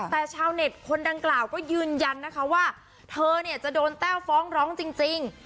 แต่ชาวเน็ตคนดังกล่าวก็ยืนยันนะคะว่าเธอเนี่ยจะโดนแต้วฟ้องร้องจริง